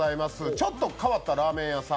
ちょっと変わったラーメン屋さん。